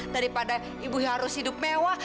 daripada ibu harus hidup mewah